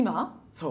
そう。